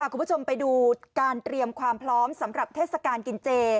คุณผู้ชมไปดูการเตรียมความพร้อมสำหรับเทศกาลกินเจ